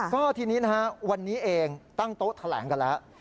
ก็ทีนี้นะฮะวันนี้เองตั้งโต๊ะแถลงกันแล้ว